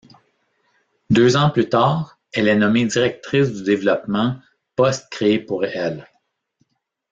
Deux ans plus tard, elle est nommée directrice du développement, poste créé pour elle.